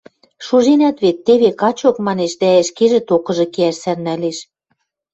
– Шуженӓт вет, теве, качок, – манеш дӓ ӹшкежӹ токыжы кеӓш сӓрнӓлеш.